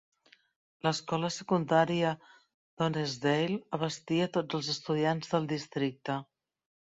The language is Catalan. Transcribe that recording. L'escola secundària d'Honesdale abastia tots els estudiants del districte.